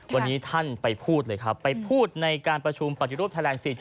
วันนี้ท่านไปพูดเลยครับไปพูดในการประชุมปฏิรูปไทยแลนด๔๗